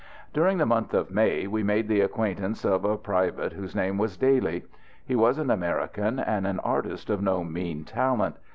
During the month of May we made the acquaintance of a private whose name was Daly. He was an American, and an artist of no mean talent.